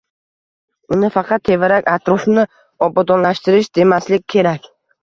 Uni faqat tevarak-atrofni obodonlashtirish demaslik kerak.